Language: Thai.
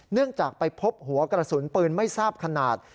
เนื่องจากไปพบหัวกระสุนปืนไม่ทราบขนาด